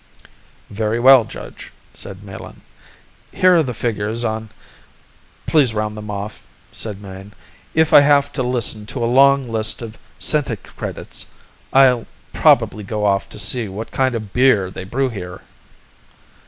"Very well, Judge," said Melin. "Here are the figures on " "Please round them off," said Mayne. "If I have to listen to a long list in centicredits, I'll probably go off to see what kind of beer they brew here."